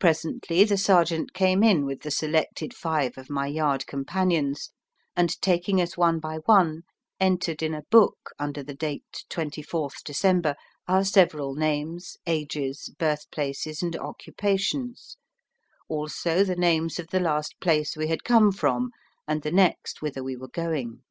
Presently the sergeant came in with the selected five of my yard companions, and, taking us one by one, entered in a book, under the date "24th December," our several names, ages, birthplaces and occupations, also the names of the last place we had come from, and the next whither we were going.